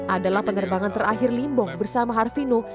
adalah penerbangan terakhir limbong bersama harvino